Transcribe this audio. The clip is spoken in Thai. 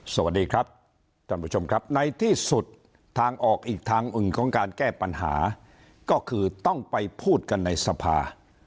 สวัสดีครับท่านผู้ชมครับในที่สุดทางออกอีกทางหนึ่งของการแก้ปัญหาก็คือต้องไปพูดกันในสภา